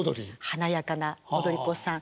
華やかな踊り子さん。